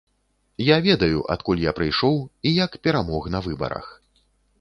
Я ведаю, адкуль я прыйшоў і як перамог на выбарах.